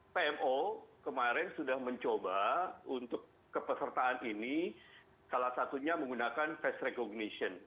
pmo kemarin sudah mencoba untuk kepesertaan ini salah satunya menggunakan face recognition